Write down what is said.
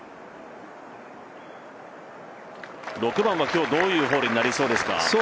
６番は今日、どういうホールになりそうですか？